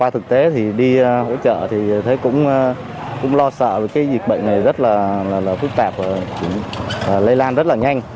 thực tế qua thì đi hỗ trợ thì thấy cũng lo sợ với cái dịch bệnh này phức tạp lây lan rất là nhanh